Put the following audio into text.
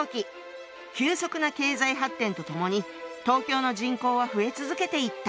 急速な経済発展とともに東京の人口は増え続けていった。